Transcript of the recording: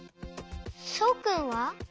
そうくんは？